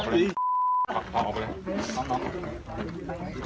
พี่ด้วยพี่ด้วย